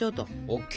ＯＫ。